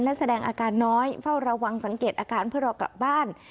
และแสดงอาการน้อยเฝ้าระวังสังเกตอาการเพื่อรอกลับบ้าน